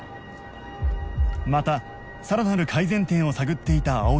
またさらなる改善点を探っていた葵は